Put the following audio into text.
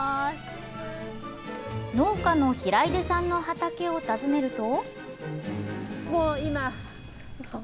農家の平出さんの畑を訪ねると。